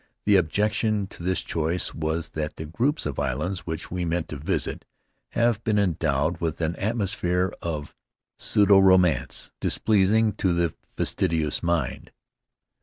The objection to this choice was that the groups of islands which we meant to visit have been endowed with an atmosphere of pseudoromance displeasing to the fastidious mind.